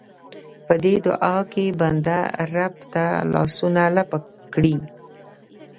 په دې دعا کې بنده رب ته لاسونه لپه کړي.